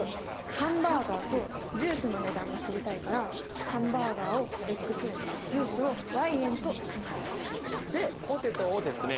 ハンバーガーとジュースの値段が知りたいからハンバーガーを円ジュースを円としますでポテトをですね。